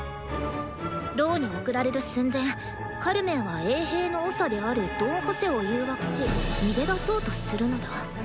「牢に送られる寸前カルメンは衛兵の長であるドン・ホセを誘惑し逃げ出そうとするのだ」。